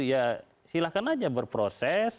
ya silakan aja berproses